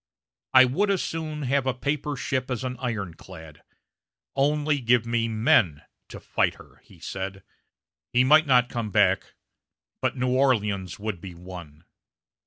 "I would as soon have a paper ship as an ironclad; only give me men to fight her!" he said. He might not come back; but New Orleans would be won.